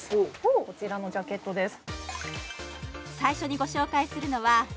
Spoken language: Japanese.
こちらのジャケットです